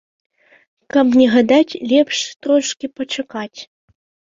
Каб не гадаць, лепш трошкі пачакаць.